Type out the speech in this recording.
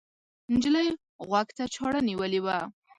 نجلۍ غوږ ته چاړه نیولې وه.